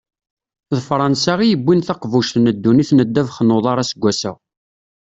D Fransa i yewwin taqbuct n ddunit n ddabex n uḍar aseggas-a.